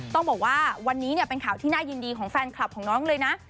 ต้องบอกว่าวันนี้เป็นข่าวที่น่ายินดีของแฟนคลับของน้องเลยนะ